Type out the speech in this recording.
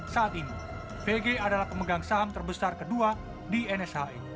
saat ini vg adalah pemegang saham terbesar kedua di nshe